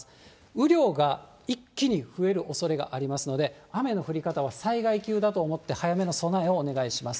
雨量が一気に増えるおそれがありますので、雨の降り方は災害級だと思って、早めの備えをお願いします。